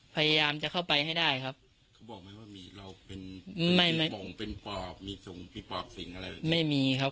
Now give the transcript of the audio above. พยายามจะเข้าไปให้ได้ครับ